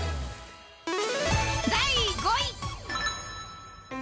第５位。